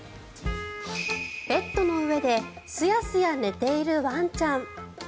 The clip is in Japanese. ベッドの上でスヤスヤ寝ているワンちゃん。